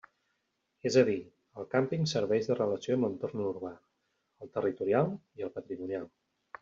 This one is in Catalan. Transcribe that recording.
És a dir, el càmping serveix de relació amb l'entorn urbà, el territorial i el patrimonial.